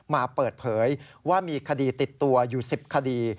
มาเปิดเผยว่ามีคดีติดตัวอยู่๑๐คดี